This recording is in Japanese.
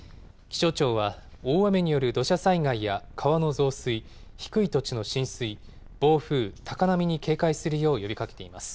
気象庁は大雨による土砂災害や川の増水低い土地の浸水暴風、高波に警戒するよう呼びかけています。